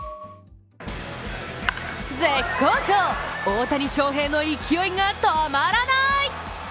絶好調、大谷翔平の勢いが止まらない！